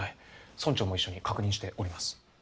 村長も一緒に確認しております。